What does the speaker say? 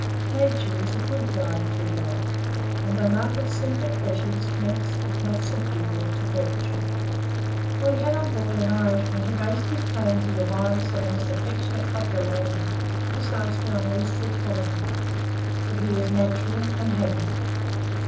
Nature is a good guide through life, and the love of simple pleasures next, if not superior, to virtue; and we had on board an Irishman who based his claim to the widest and most affectionate popularity precisely upon these two qualities, that he was natural and happy.